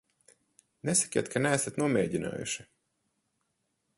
Nesakiet, ka neesat nomēģinājuši.